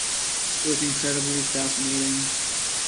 It was incredibly fascinating.